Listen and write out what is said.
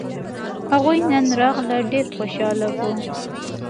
هغوی نن راغلل ډېر خوشاله وو